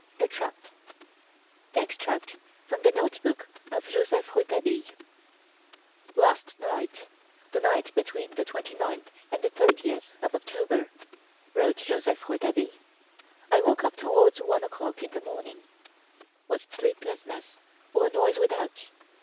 The Trap (EXTRACT FROM THE NOTE BOOK OF JOSEPH ROULETABILLE) "Last night the night between the 29th and 30th of October " wrote Joseph Rouletabille, "I woke up towards one o'clock in the morning. Was it sleeplessness, or noise without?